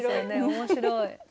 面白い。